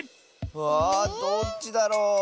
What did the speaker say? わあどっちだろう？